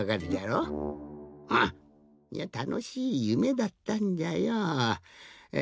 うん！いやたのしいゆめだったんじゃよ。え。